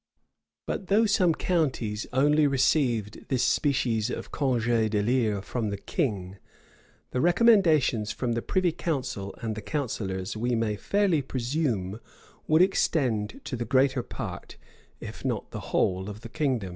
But though some counties only received this species of congé d'élire from the king; the recommendations from the privy council and the counsellors, we may fairly presume, would extend to the greater part, if not the whole, of the kingdom.